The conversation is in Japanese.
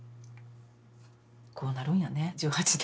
こうなるんやね１８年後は。